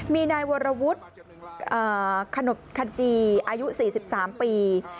มีนายวรวุฒิขนบขจีอายุ๔๓ปี